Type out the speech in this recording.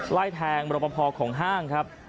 ไล่แทงรบพอของห้างครับ